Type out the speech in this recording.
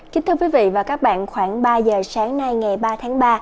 kính thưa quý vị và các bạn khoảng ba giờ sáng nay ngày ba tháng ba